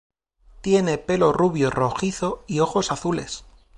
Tiene pelo rubio rojizo y ojos azules.